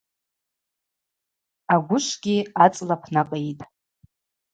Агвышвгьи ацӏла пнакъитӏ.